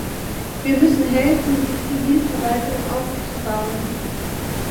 Wir müssen helfen, die Zivilverwaltung aufzubauen.